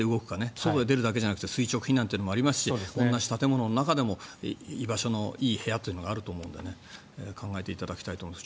外に出るだけじゃなくて垂直避難とかもありますし同じ建物の中でも居場所のいい部屋というのがあると思うので考えていただきたいと思います。